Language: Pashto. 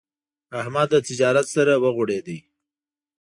احمد له تجارت سره وغوړېدا.